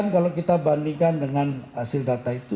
kalau kita bandingkan dengan hasil data itu